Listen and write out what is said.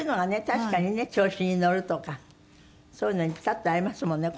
確かにね「調子に乗る」とかそういうのにピタッと合いますもんね